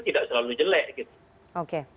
tidak selalu jelek